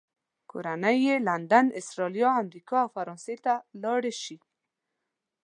کورنۍ یې لندن، استرالیا، امریکا او فرانسې ته لاړې شي.